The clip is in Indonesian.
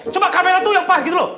coba kamera tuh yang pas gitu loh